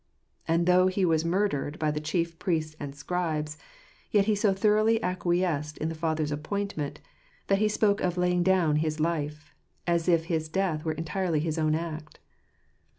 And though He was murdered by the chief priests and scribes, yet He so thoroughly acquiesced in the Father's appointment, that He spoke of laying down His life, as if His death were entirely His ow r n act.